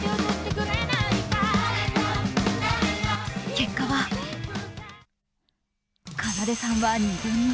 結果は、奏さんは２軍。